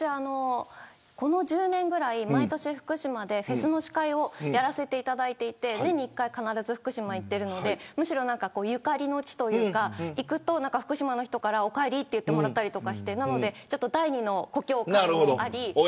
この１０年ぐらい毎年福島でフェスの司会をやらせていただいていて年に１回、必ず福島に行っているのでゆかりの地というか行くと福島の人からお帰りと言ってもらったりして第二の故郷感もあります。